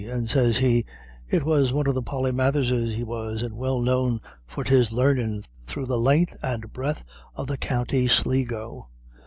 And sez he, it was one of the Polymatherses he was, and well known for his larnin' through the len'th and breadth of the county Sligo.